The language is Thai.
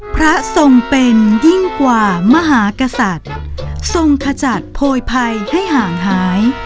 พระทรงเป็นยิ่งกว่ามหากษัตริย์ทรงขจัดโพยภัยให้ห่างหาย